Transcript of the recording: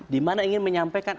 dimana ingin menyampaikan